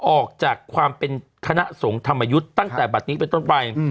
ออกจากความเป็นคณะสงฆ์ธรรมยุทธ์ตั้งแต่บัตรนี้เป็นต้นไป